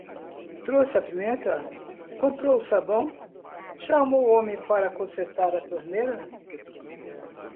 Trouxe a pimenta? Comprou o sabão? Chamou o homem para consertar a torneira?